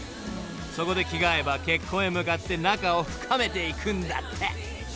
［そこで気が合えば結婚へ向かって仲を深めていくんだって］